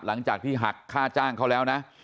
หลังจากที่หักค่าจ้างเขาแล้วนะ